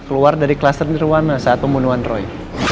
keluar dari kluster nirwana saat pembunuhan roy